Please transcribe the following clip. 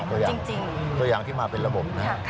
ตัวอย่างที่มาเป็นระบบ